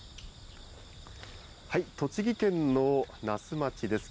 栃木県の那須町です。